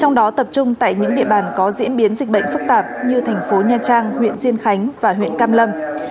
trong đó tập trung tại những địa bàn có diễn biến dịch bệnh phức tạp như thành phố nha trang huyện diên khánh và huyện cam lâm